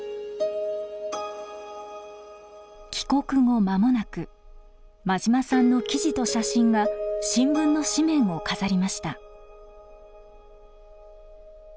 帰国後間もなく馬島さんの記事と写真が新聞の紙面を飾りました。